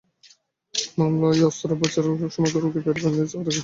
মামলায় অস্ত্রোপচারের সময় রোগীর পেটে ব্যান্ডেজ রেখে দেওয়ার অভিযোগ আনা হয়।